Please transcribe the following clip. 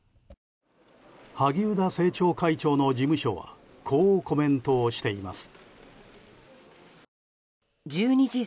萩生田政調会長の事務所はこうコメントをしています。